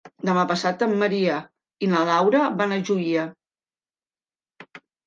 Demà passat en Maria i na Laura van a Juià.